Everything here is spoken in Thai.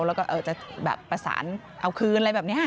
แล้วก็จะแบบประสานเอาคืนอะไรแบบนี้